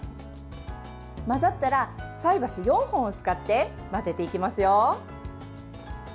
混ざったら、菜箸４本を使って混ぜていきますよ。